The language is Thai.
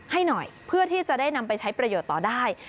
ให้หน่อยเพื่อที่จะได้นำไปใช้ประโยชน์ต่อได้